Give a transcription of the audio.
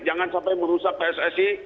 jangan sampai merusak pssi